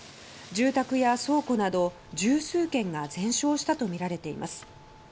住宅や倉庫など十数軒が全焼したとみられています。